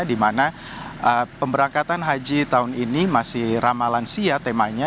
di mana pemberangkatan haji tahun ini masih ramah lansia temanya